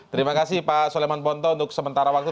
terima kasih pak soleman ponto untuk sementara waktu